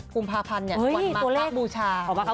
๑๖ภูมิภาพันธ์สวรรคบริษัทบูชา